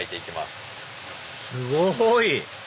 すごい！